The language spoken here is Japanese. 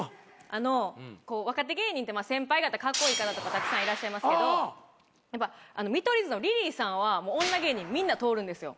若手芸人って先輩方カッコイイ方とかたくさんいらっしゃいますけど見取り図のリリーさんは女芸人みんな通るんですよ。